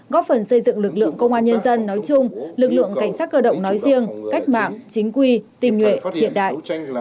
góp phần xây dựng lực lượng công an nhân dân nói chung lực lượng cảnh sát cơ động nói riêng cách mạng chính quy tình nhuệ hiện đại